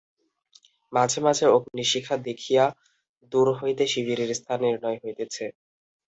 মাঝে মাঝে অগ্নিশিখা দেখিয়া দূর হইতে শিবিরের স্থান নির্ণয় হইতেছে।